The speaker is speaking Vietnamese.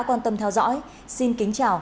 an toàn của sức của bạn